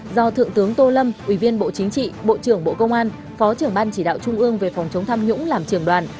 do thượng tướng tô lâm ủy viên bộ chính trị bộ trưởng bộ công an phó trưởng ban chỉ đạo trung ương về phòng chống tham nhũng làm trưởng đoàn